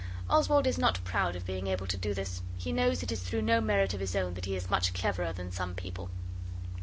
Oswald is not proud of being able to do this. He knows it is through no merit of his own that he is much cleverer than some people.